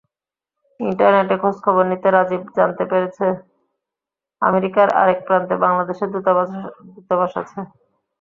ইন্টারনেটে খোঁজখবর নিয়ে রাজীব জানতে পেরেছে, আমেরিকার আরেক প্রান্তে বাংলাদেশের দূতাবাস আছে।